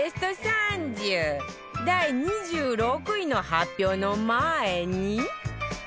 第２６位の発表の前に